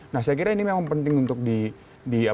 nah saya kira ini memang penting untuk di